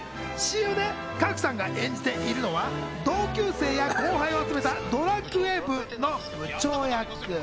ＣＭで賀来さんが演じているのは同級生や後輩を集めたドラクエ部の部長役。